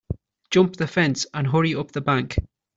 Jump the fence and hurry up the bank.